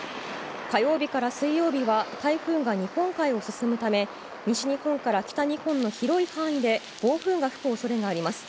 火曜日から水曜日は、台風が日本海を進むため、西日本から北日本の広い範囲で暴風が吹くおそれがあります。